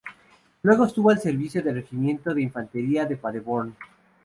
Luego estuvo al servicio del Regimiento de Infantería de Paderborn.